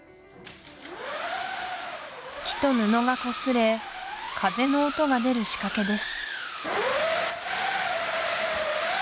木と布がこすれ風の音が出る仕掛けです